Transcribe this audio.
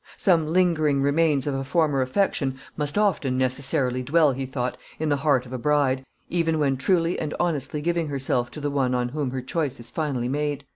Some lingering remains of a former affection must often necessarily dwell, he thought, in the heart of a bride, even when truly and honestly giving herself to the one on whom her choice is finally made.